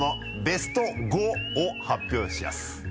ベスト５を発表しやす！」